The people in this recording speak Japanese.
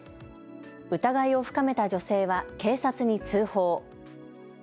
疑いを深めた女性は警察に通報。